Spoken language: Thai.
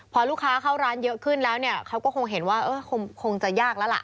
พอลูกค้าเข้าร้านเยอะขึ้นแล้วเนี่ยเขาก็คงเห็นว่าคงจะยากแล้วล่ะ